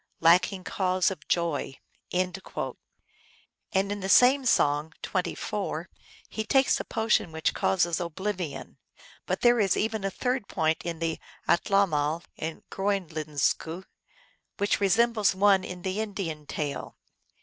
Lacking cause of joy ;" and in the very same song (24) he takes a potion which causes oblivion. But there is even a third point in the Atlamal in Groenlenzku, which resem bles one in the Indian tale.